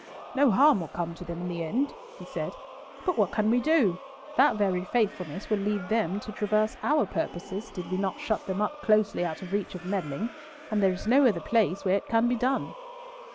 "No harm will come to them in the end," he said, "but what can we do? That very faithfulness would lead them to traverse our purposes did we not shut them up closely out of reach of meddling, and there is no other place where it can be done."